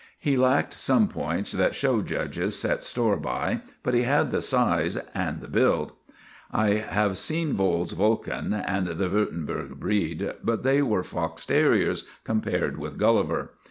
He lacked some points that show judges set store by, but he had the size and the build. " I have seen Vohl's Vulcan and the Wurtem burg breed, but they were fox terriers compared with Gulliver.